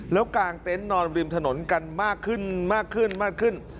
แล้วกางเต็นต์นอนริมถนนกันมากขึ้นมากขึ้น